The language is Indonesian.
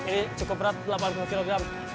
ini cukup berat delapan puluh kg